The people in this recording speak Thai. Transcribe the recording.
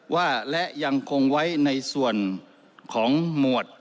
ว่าและยังคงไว้ในส่วนของหมวด